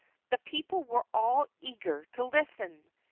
The people were all eager to listen.